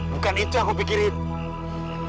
bukan itu yang aku pikirin